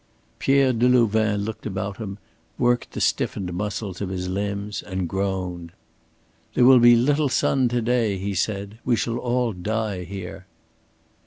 Pierre Delouvain looked about him, worked the stiffened muscles of his limbs and groaned. "There will be little sun to day," he said. "We shall all die here."